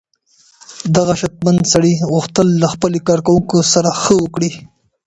دغه شتمن سړي غوښتل له خپلې کارکوونکې سره ښه وکړي.